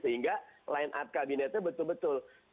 sehingga line up kabinetnya betul betul